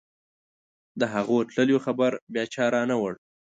د هغو تللیو خبر بیا چا رانه وړ.